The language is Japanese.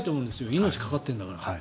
命かかってるんだから。